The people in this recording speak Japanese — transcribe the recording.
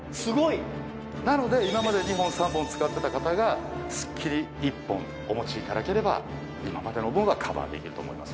なので今まで２本３本使ってた方がすっきり１本お持ちいただければ今までの分はカバーできると思います。